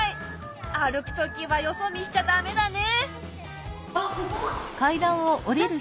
歩くときはよそ見しちゃだめだね。